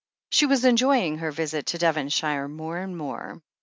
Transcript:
She was enjoying her visit to Devonshire more and more.